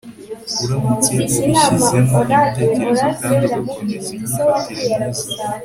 uramutse ubishyizemo ibitekerezo kandi ugakomeza imyifatire myiza